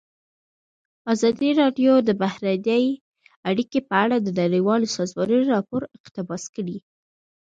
ازادي راډیو د بهرنۍ اړیکې په اړه د نړیوالو سازمانونو راپورونه اقتباس کړي.